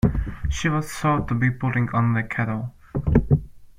She was thought to be putting on the kettle.